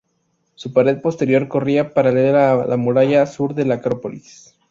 Su pared posterior corría paralela a la muralla sur de la Acrópolis.